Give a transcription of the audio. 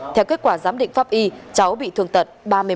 theo kết quả giám định pháp y cháu bị thương tật ba mươi bảy